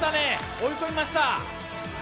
追い込みました。